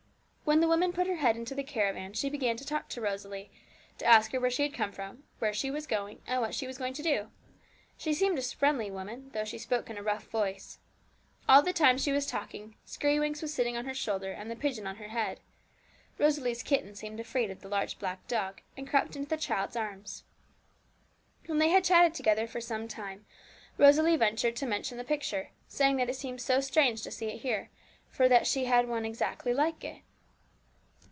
When the woman put her head into the caravan she began to talk to Rosalie, to ask her where she had come from, and where she was going, and what she was going to do. She seemed a friendly woman, though she spoke in a rough voice. All the time she was talking, Skirrywinks was sitting on her shoulder and the pigeon on her head. Rosalie's kitten seemed afraid of the large black dog, and crept into the child's arms. When they had chatted together for some time, Rosalie ventured to mention the picture, saying that it seemed so strange to see it here, for that she had one exactly like it.